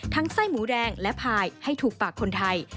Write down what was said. ไส้หมูแดงและพายให้ถูกปากคนไทย